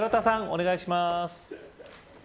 お願いします。